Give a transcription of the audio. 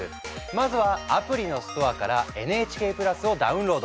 まずはアプリのストアからＮＨＫプラスをダウンロード！